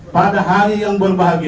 pada hari yang berbahagia